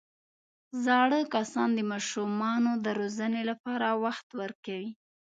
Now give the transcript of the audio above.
زاړه کسان د ماشومانو د روزنې لپاره وخت ورکوي